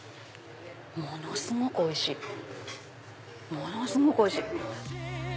ものすごくおいしいものすごくおいしい。